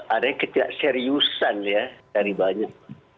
ada ketidakseriusan ya dari banyak